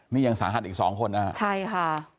นี่ยังสาหัสอีกสองคนนะฮะใช่ค่ะ